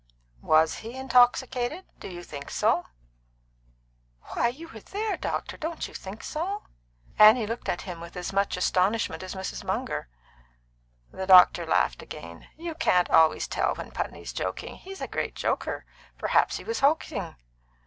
"Was he intoxicated? Did you think so?" "Why, you were there, doctor. Didn't you think so?" Annie looked at him with as much astonishment as Mrs. Munger. The doctor laughed again. "You can't always tell when Putney's joking; he's a great joker. Perhaps he was hoaxing."